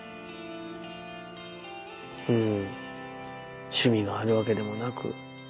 うん趣味があるわけでもなく。